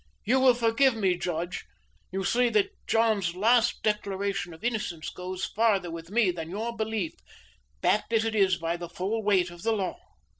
You will forgive me, judge. You see that John's last declaration of innocence goes farther with me than your belief, backed as it is by the full weight of the law."